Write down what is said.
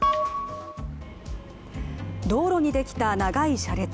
道路にできた長い車列。